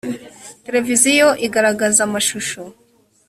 televiziyo igaragaza amashusho .